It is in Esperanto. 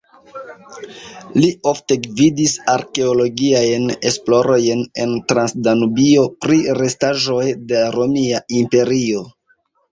Li ofte gvidis arkeologiajn esplorojn en Transdanubio pri restaĵoj de Romia Imperio.